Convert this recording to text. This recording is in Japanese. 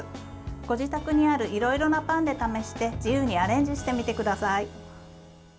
ご自宅にあるいろいろなパンで試して自由にアレンジしてみてください。